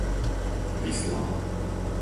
Vislava